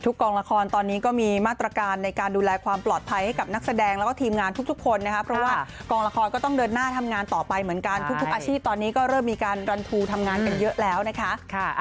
กองละครตอนนี้ก็มีมาตรการในการดูแลความปลอดภัยให้กับนักแสดงแล้วก็ทีมงานทุกคนนะคะเพราะว่ากองละครก็ต้องเดินหน้าทำงานต่อไปเหมือนกันทุกอาชีพตอนนี้ก็เริ่มมีการรันทูทำงานกันเยอะแล้วนะคะ